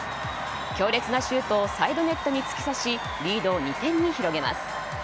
強烈なシュートをサイドネットに突き刺しリードを２点に広げます。